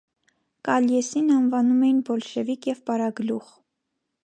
Կալյեսին անվանում էին «բոլշևիկ» և «պարագլուխ»։